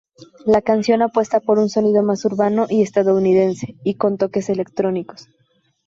La canción apuesta por un sonido más urbano y estadounidense y con toques electrónicos.